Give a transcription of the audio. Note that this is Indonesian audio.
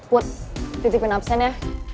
put titipin absen ya